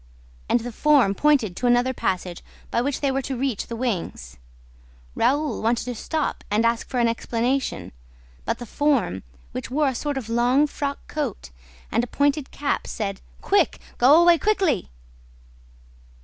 And the form pointed to another passage by which they were to reach the wings. Raoul wanted to stop and ask for an explanation. But the form, which wore a sort of long frock coat and a pointed cap, said: "Quick! Go away quickly!"